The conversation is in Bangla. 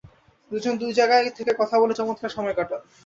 দুজন দু জায়গায় থেকে কথা বলে চমৎকার সময় কাটান।